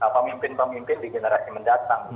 pemimpin pemimpin di generasi mendatang